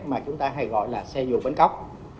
mà chúng ta hay gọi là xe dù bến cóc